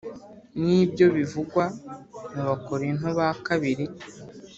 Nibyo bivugwa mubakorinto bakabiri